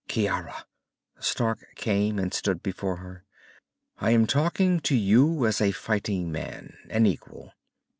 "Ciara." Stark came and stood before her. "I am talking to you as a fighting man, an equal.